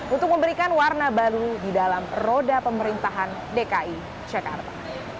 untuk memberikan warna baru di dalam roda pemerintahan dki jakarta